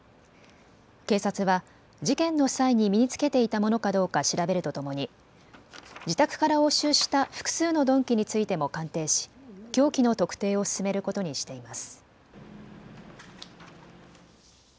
警察は事件の際に身に着けていたものかどうか調べるとともに自宅から押収した複数の鈍器についても鑑定し、凶器の特定を進めることにしています。